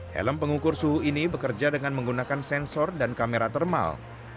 helm pengukur suhu ini bekerja dengan menggunakan sensor dan kamera thermal